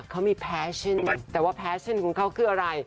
เขามีแฟชั่นแต่ว่าแฟชั่นของเขาคืออะไร